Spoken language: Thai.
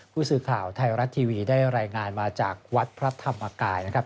ผู้สื่อข่าวไทยรัฐทีวีได้รายงานมาจากวัดพระธรรมกายนะครับ